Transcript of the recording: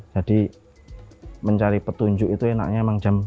jadi mencari petunjuk itu enaknya emang jam